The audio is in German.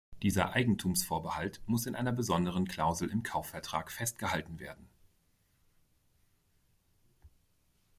Dieser Eigentumsvorbehalt muss in einer besonderen Klausel im Kaufvertrag festgehalten werden.